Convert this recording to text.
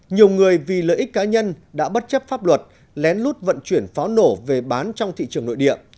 nhiều người vì lợi ích cá nhân đã bất chấp pháp luật lén lút vận chuyển pháo nổ về bán trong thị trường nội địa